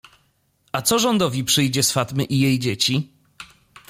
- A co rządowi przyjdzie z Fatmy i jej dzieci?